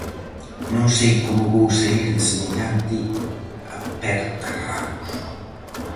Non sei como vou saír de semellante apertarrabos.